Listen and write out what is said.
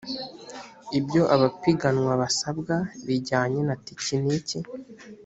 ibyo abapiganwa basabwa bijyanye na tekiniki